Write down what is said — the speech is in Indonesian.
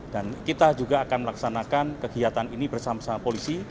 dan kita juga akan melaksanakan kegiatan ini bersama sama polisi